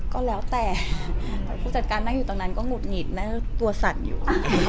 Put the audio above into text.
ก็แล้วแต่ผู้จัดการนั่งอยู่ตรงนั้นก็หงุดหงิดหน้าตัวสั่นอยู่